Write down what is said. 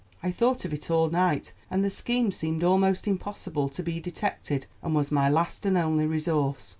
I thought of it all night, and the scheme seemed almost impossible to be detected, and was my last and only resource.